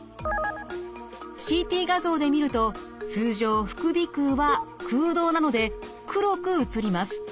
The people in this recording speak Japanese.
ＣＴ画像で見ると通常副鼻腔は空洞なので黒く写ります。